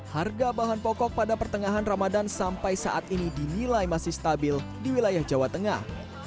harga bahan pokok pada pertengahan ramadan sampai saat ini dinilai masih stabil di wilayah jawa tengah